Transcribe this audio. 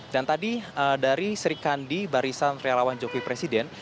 dan tadi dari serikandi barisan rialawan jokowi presiden